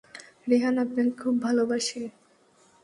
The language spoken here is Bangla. রেহান আপনাকে খুব ভালোবাসে।